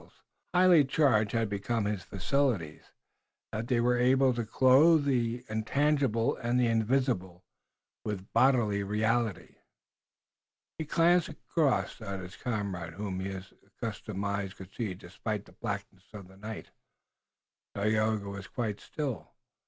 So highly charged had become his faculties that they were able to clothe the intangible and the invisible with bodily reality. He glanced across at his comrade, whom his accustomed eyes could see despite the blackness of the night. Tayoga was quite still.